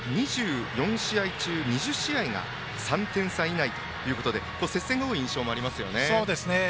今大会は２４試合中２０試合が３点差という接戦が多い印象がありますね。